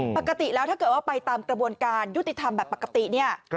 ปกติแล้วถ้าเกิดว่าไปตามกระบวนการยุติธรรมแบบปกติเนี่ย